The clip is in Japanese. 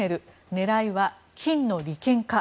狙いは金の利権か。